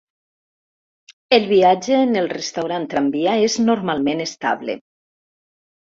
El viatge en el restaurant tramvia és normalment estable.